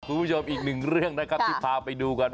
คุณผู้ชมอีกหนึ่งเรื่องนะครับที่พาไปดูกัน